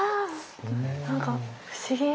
何か不思議。